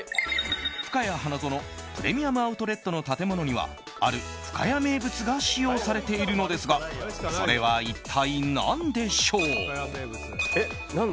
ふかや花園プレミアム・アウトレットの建物にはある深谷名物が使用されているのですがそれは一体何でしょう？